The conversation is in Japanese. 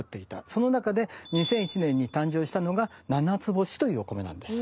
その中で２００１年に誕生したのが「ななつぼし」というお米なんです。